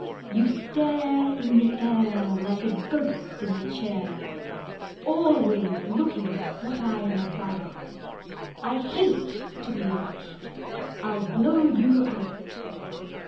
You stare In the air Like a ghost in a chair, Always looking what I am about; I hate to be watched I'll blow you out."